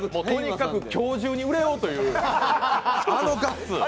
とにかく今日中に売れようというあのガッツ。